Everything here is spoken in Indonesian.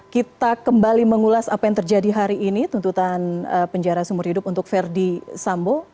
kita kembali mengulas apa yang terjadi hari ini tuntutan penjara seumur hidup untuk verdi sambo